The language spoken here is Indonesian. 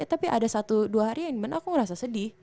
tapi ada satu dua hari yang mana aku ngerasa sedih